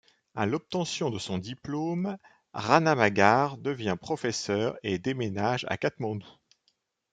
A l'obtention de son diplôme, Ranamagar devient professeure et déménage à Katmandou.